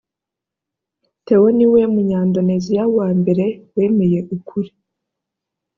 theo ni we munyandoneziya wa mbere wemeye ukuri.